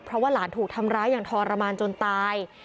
เพราะว่าหลานถูกทำร้ายอย่างทรมานจนตาย